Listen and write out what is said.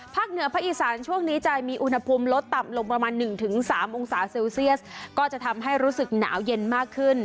เหนือภาคอีสานช่วงนี้จะมีอุณหภูมิลดต่ำลงประมาณ๑๓องศาเซลเซียสก็จะทำให้รู้สึกหนาวเย็นมากขึ้น